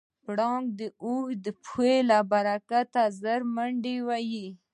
پړانګ د اوږدو پښو له برکته ژر منډه وهي.